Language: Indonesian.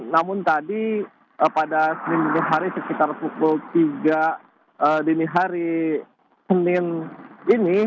namun tadi pada senin hari sekitar pukul tiga dini hari senin ini